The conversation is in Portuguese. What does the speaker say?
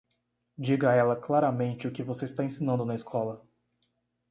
Diga a ela claramente o que você está ensinando na escola.